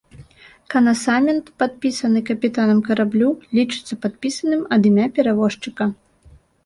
Канасамент, падпісаны капітанам караблю, лічыцца падпісаным ад імя перавозчыка.